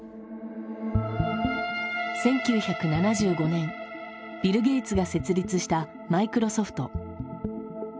１９７５年ビル・ゲイツが設立したマイクロソフト。